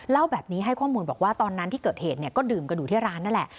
เล่าแบบนี้ให้ข้อมูลบอกว่าตอนนั้นที่เกิดเหตุก็ดื่มกันอยู่ที่ร้านนั่นแหละ